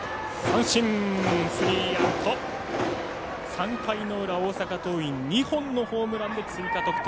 ３回の裏、大阪桐蔭２本のホームランで追加得点。